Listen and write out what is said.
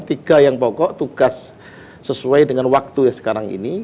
tiga yang pokok tugas sesuai dengan waktu yang sekarang ini